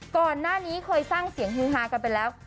ก่อนหน้านี้เคยสร้างเสียงฮือฮากันไปแล้ว